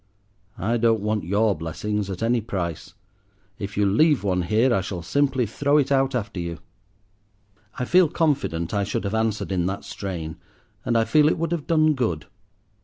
I don't want your blessings at any price. If you leave one here I shall simply throw it out after you." I feel confident I should have answered in that strain, and I feel it would have done good.